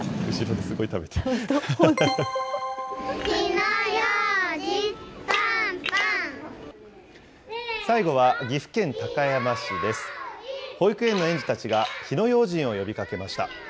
保育園の園児たちが火の用心を呼びかけました。